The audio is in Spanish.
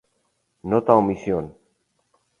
Nota Omisión.